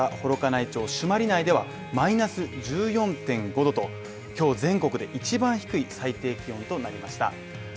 放射冷却が強まった幌加内町朱鞠内ではマイナス１４．５℃と、今日全国で一番低い最低気温となりました。